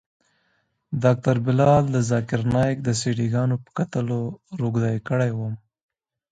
ډاکتر بلال د ذاکر نايک د سي ډي ګانو په کتلو روږدى کړى وم.